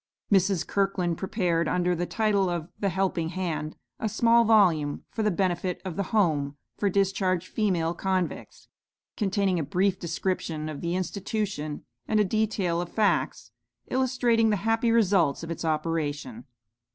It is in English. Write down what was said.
Mrs. Kirkland prepared, under the title of "The Helping Hand," a small volume, for the benefit of "The Home" for discharged female convicts, containing a brief description of the institution, and a detail of facts illustrating the happy results of its operation.